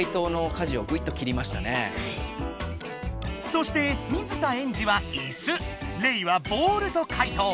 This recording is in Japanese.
そして水田エンジはイスレイはボールと解答。